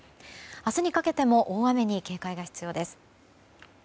明日にかけても大雨に警戒が必要です。